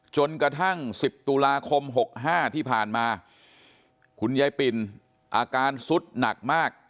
จนกระทั่ง๑๐ตุลาคม๖๕ที่ผ่านมาคุณยายปิ่นอาการสุดหนักมาก